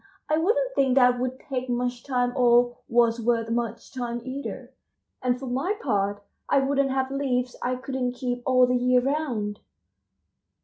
I wouldn't think that would take much time or was worth much time either, and for my part I wouldn't have leaves I couldn't keep all the year round."